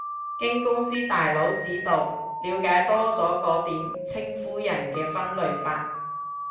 經公司大佬指導，了解多咗個點稱呼人嘅分類法